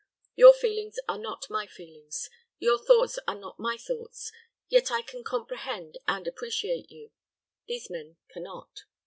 Your feelings are not my feelings, your thoughts not my thoughts, yet I can comprehend and appreciate you; these men can not."